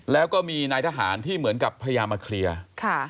แล้วก็มีนายทหารที่เหมือนกับพยายามมาเคลียร์ค่ะ